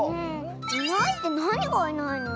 いないってなにがいないの？